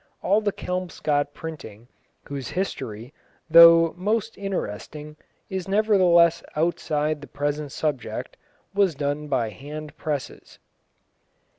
All the Kelmscott printing, whose history, though most interesting, is nevertheless outside the present subject, was done by hand presses.